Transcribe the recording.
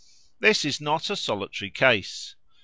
This is not a solitary case.